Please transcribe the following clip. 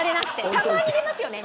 たまに出ますよね。